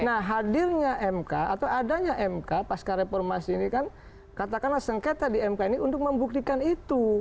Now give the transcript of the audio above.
nah hadirnya mk atau adanya mk pasca reformasi ini kan katakanlah sengketa di mk ini untuk membuktikan itu